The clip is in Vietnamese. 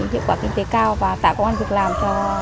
hiệu quả kinh tế cao và tạo công an việc làm cho